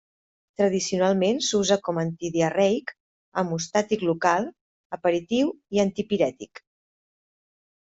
Tradicionalment s'usa com antidiarreic, hemostàtic local, aperitiu i antipirètic.